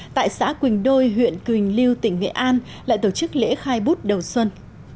tại xã quỳnh đôi huyện quỳnh lưu tỉnh nghệ an lại tổ chức lễ khai bút đầu xuân